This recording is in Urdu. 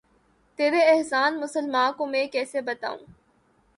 تیرے احسان مسلماں کو میں کیسے بتاؤں